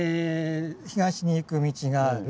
東に行く道がある。